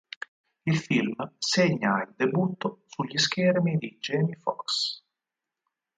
Il film segna il debutto sugli schermi di Jamie Foxx.